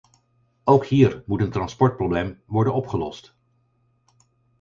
Ook hier moet een transportprobleem worden opgelost.